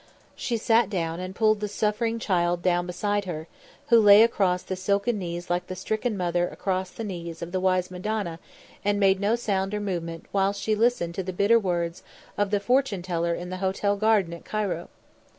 She sat down and pulled the suffering child down beside her, who lay across the silken knees like the stricken mother across the knees of the wise Madonna and made no sound or movement whilst she listened to the bitter words of the fortune teller in the hotel garden at Cairo.